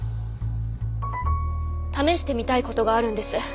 試してみたいことがあるんです。